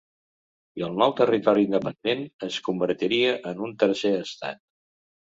I el nou territori independent es convertiria en un tercer estat.